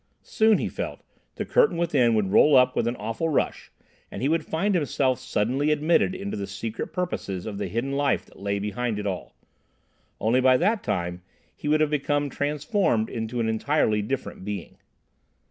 Soon, he felt, the Curtain within would roll up with an awful rush, and he would find himself suddenly admitted into the secret purposes of the hidden life that lay behind it all. Only, by that time, he would have become transformed into an entirely different being.